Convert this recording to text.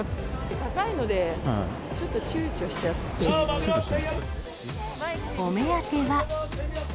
高いので、ちょっとちゅうちょしお目当ては。